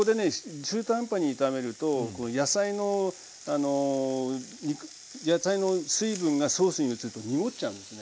中途半端に炒めるとこの野菜の野菜の水分がソースに移ると濁っちゃうんですね。